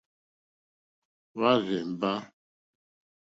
Hwá rzèmbá.